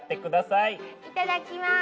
いただきます。